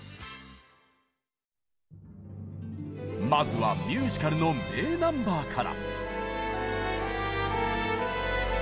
まずはミュージカルの名ナンバーから！